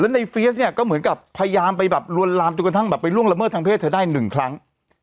ในเฟียสเนี่ยก็เหมือนกับพยายามไปแบบลวนลามจนกระทั่งแบบไปล่วงละเมิดทางเพศเธอได้หนึ่งครั้ง